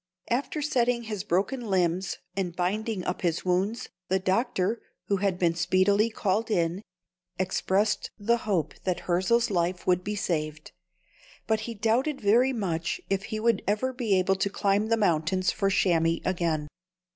After setting his broken limbs and binding up his wounds, the doctor, who had been speedily called in, expressed the hope that Hirzel's life would be saved, but he doubted very much if he would ever be able to climb the mountains for chamois again.